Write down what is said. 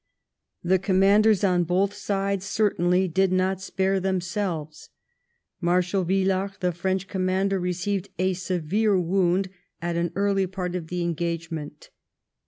The commanders on both sides certainly did not spare themselves. Marshal Villars, the French commander, received a severe wound at an early part of the en gagement.